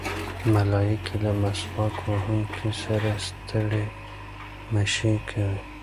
ملایکې له مسواک وهونکي سره ستړې مه شي کوي.